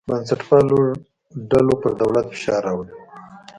بنسټپالو ډلو پر دولت فشار راوړی.